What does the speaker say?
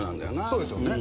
そうですよね。